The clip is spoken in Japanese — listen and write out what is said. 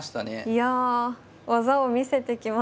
いや技を見せてきますね。